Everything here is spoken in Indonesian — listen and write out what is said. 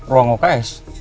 ruang buka es